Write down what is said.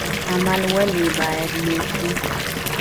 عمل ولې باید نیک وي؟